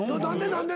何で？